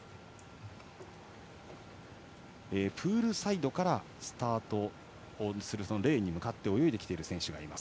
プールサイドからスタートするレーンに向かって泳いでいる選手がいます。